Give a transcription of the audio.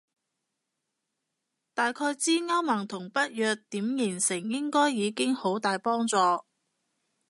大概知歐盟同北約點形成應該已經好大幫助